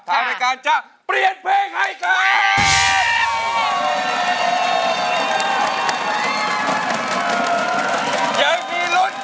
ฐานในการจะเปลี่ยนเพลงให้กัน